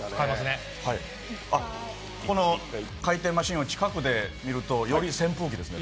この回転マシーンを近くで見るとより扇風機ですね。